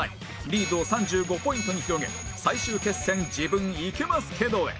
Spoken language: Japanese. リードを３５ポイントに広げ最終決戦自分イケますけどへ